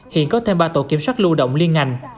hiện có thêm ba tổ kiểm soát lưu động liên ngành